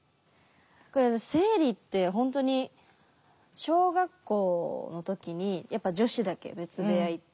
これ私生理ってほんとに小学校の時にやっぱ女子だけ別部屋行って。